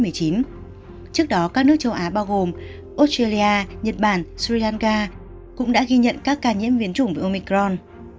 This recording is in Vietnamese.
trước đó các nước châu á bao gồm australia nhật bản sri lanka cũng đã ghi nhận các ca nhiễm vin chủng với omicron